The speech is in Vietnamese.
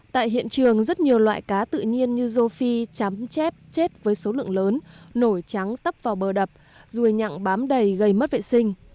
tại hiện trường rất nhiều loại cá tự nhiên như rô phi chấm chép chết với số lượng lớn nổi trắng tấp vào bờ đập ruồi nhặng bám đầy gây mất vệ sinh